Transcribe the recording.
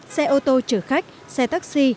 xe ô tô chở khách xe taxi